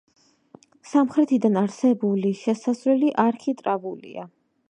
სამხრეთიდან არსებული შესასვლელი არქიტრავულია.